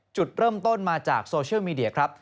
จุดเริ่มต้นมาจากโซเชียลมีเดียครับ